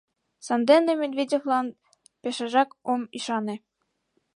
Сандене Медведевалан пешыжак ом ӱшане.